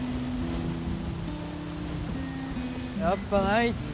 やっぱないって。